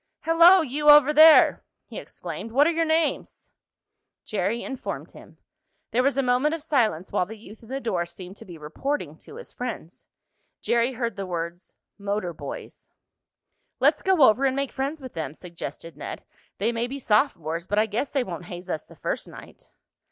"Hello you over there!" he exclaimed. "What're your names?" Jerry informed him. There was a moment of silence, while the youth in the door seemed to be reporting to his friends. Jerry heard the words "motor boys." "Let's go over and make friends with them," suggested Ned. "They may be sophomores, but I guess they won't haze us the first night."